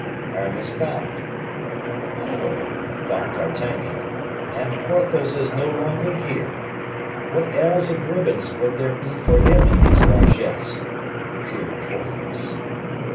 Aramis bowed. "Oh!" thought D'Artagnan, "and Porthos is no longer here! What ells of ribbons would there be for him in these largesses! Dear Porthos!"